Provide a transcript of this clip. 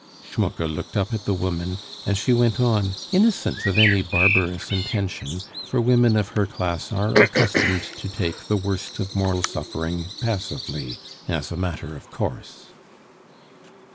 Schmucke looked up at the woman, and she went on, innocent of any barbarous intention, for women of her class are accustomed to take the worst of moral suffering passively, as a matter of course.